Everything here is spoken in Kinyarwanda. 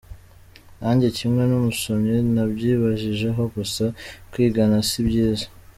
nanjye kimwe n'umusomyi nabyibajijeho gusa kwigana si byiza.